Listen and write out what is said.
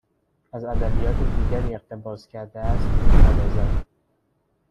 از ادبیات دیگری اقتباس کرده است میپردازد